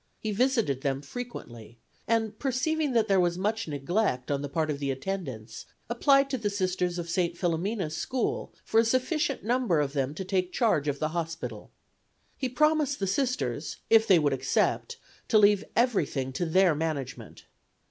He visited them frequently, and perceiving that there was much neglect on the part of the attendants, applied to the Sisters of St. Philomena's School for a sufficient number of them to take charge of the hospital. He promised the Sisters, if they would accept, to leave everything to their management.